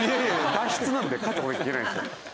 脱出なんで帰ってこないといけないんですよ。